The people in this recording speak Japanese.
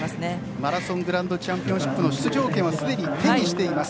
マラソングランドチャンピオンシップの出場権はすでに手にしています。